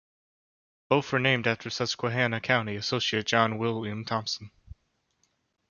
Both were named after Susquehanna County associate judge William Thompson.